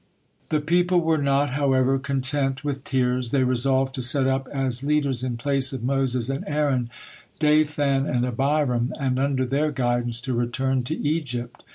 The people were not, however, content with tears, they resolved to set up as leaders in place of Moses and Aaron, Dathan and Abiram, and under their guidance to return to Egypt.